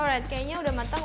alright kayaknya udah matang